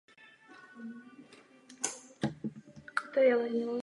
O meziválečném poslanci pojednává samostatný článek Josef Matoušek starší.